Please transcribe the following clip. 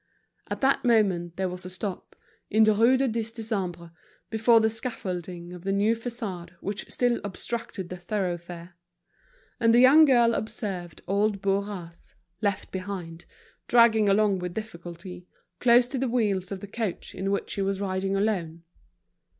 At that moment there was a stop, in the Rue du Dix Décembre, before the scaffolding of the new façade which still obstructed the thoroughfare. And the young girl observed old Bourras, left behind, dragging along with difficulty, close to the wheels of the coach in which she was riding alone.